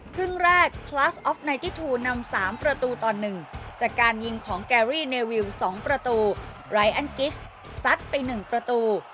ครึ่งแรกคลาสออกไนตี้ทูนำ๓ประตูต่อ๑จากการยิงของแกรี่เนวิว๒ประตูไร้อันกิสซัดไป๑ประตู